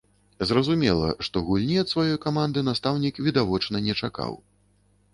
Зразумела, што гульні ад сваёй каманды настаўнік відавочна не чакаў.